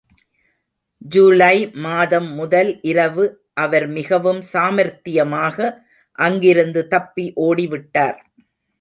ஜூலை மாதம் முதல் இரவு அவர் மிகவும் சாமர்த்தியமாக அங்கிருந்து தப்பி ஓடி விட்டார்.